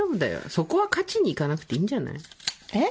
そこは勝ちに行かなくていいんじゃない。え？